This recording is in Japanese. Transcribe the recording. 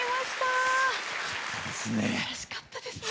すばらしかったですね。